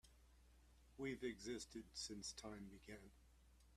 We've existed since time began.